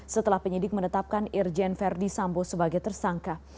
setelah penyidik menetapkan irjen verdi sambo sebagai tersangka